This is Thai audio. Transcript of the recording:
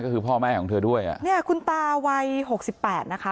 ก็คือพ่อแม่ของเธอด้วยอ่ะเนี่ยคุณตาวัยหกสิบแปดนะคะ